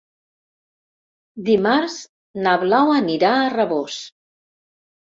Dimarts na Blau anirà a Rabós.